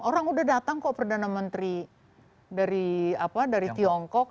orang udah datang kok perdana menteri dari tiongkok